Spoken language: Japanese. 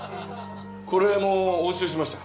これも押収しました。